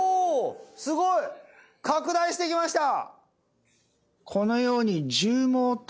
すごい拡大してきました！